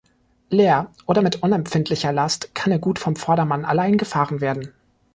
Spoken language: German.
Leer oder mit unempfindlicher Last kann er gut vom Vordermann allein gefahren werden.